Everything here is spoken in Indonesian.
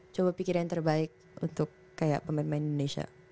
coba pikir yang terbaik untuk kayak pemain pemain indonesia